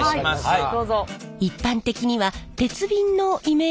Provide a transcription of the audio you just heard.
はい。